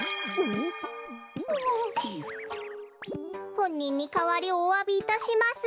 ほんにんにかわりおわびいたします。